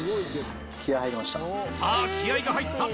さぁ気合が入った！